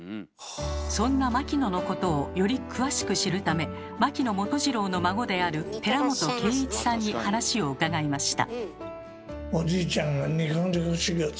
そんな牧野のことをより詳しく知るため牧野元次郎の孫である寺本圭一さんに話を伺いました。